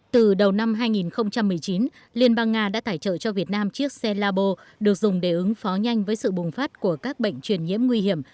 từ đầu năm hai nghìn một mươi chín liên bang nga đã tài trợ cho việt nam chiếc xe labo được dùng để ứng phó nhanh với sự bùng phát của các bệnh truyền nhiễm nguy hiểm